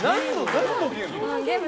何のゲーム？